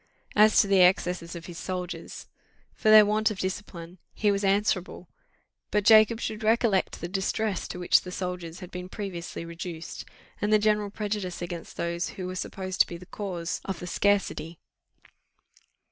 As to the excesses of his soldiers, for their want of discipline he was answerable; but Jacob should recollect the distress to which the soldiers had been previously reduced, and the general prejudice against those who were supposed to be the cause of the scarcity.